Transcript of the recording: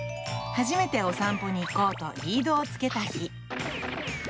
初めてお散歩に行こうとリードをつけた日。